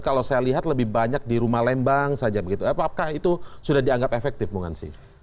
kalau saya lihat lebih banyak di rumah lembang saja begitu apakah itu sudah dianggap efektif bung ansi